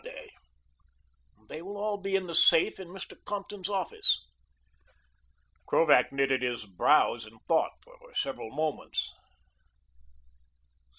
"They will all be in the safe in Mr. Compton's office." Krovac knitted his brows in thought for several moments.